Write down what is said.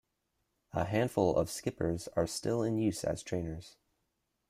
A handful of Skippers are still in use as trainers.